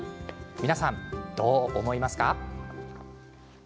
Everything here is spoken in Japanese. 皆さん、どう思いますか？